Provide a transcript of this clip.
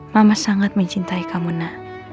mama sangat mencintai kamu na